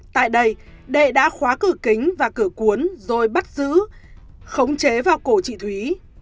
tại đây đệ đã khóa cửa kính và cửa cuốn rồi bắt giữ khống chế vào cổ chị thúy